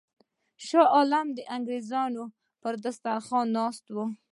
شاه عالم د انګرېزانو پر سترخوان ناست وو.